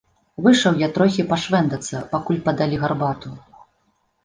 Выйшаў я трохі пашвэндацца, пакуль падалі гарбату.